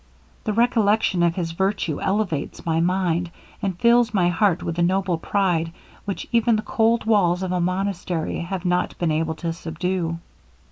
The recollection of his virtue elevates my mind, and fills my heart with a noble pride, which even the cold walls of a monastery have not been able to subdue.